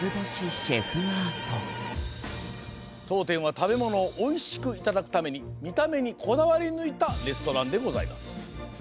とうてんは食べものをおいしくいただくためにみためにこだわりぬいたレストランでございます。